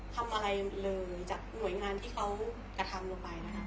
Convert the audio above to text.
ทำอะไรเลยจากหน่วยงานที่เขากระทำลงไปนะคะ